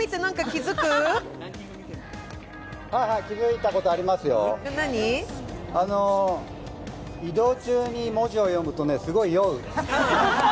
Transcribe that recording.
気づいたことありますよ、移動中に文字を読むとすごい酔う。